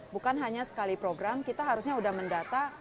bukan hanya sekali program kita harusnya sudah mendata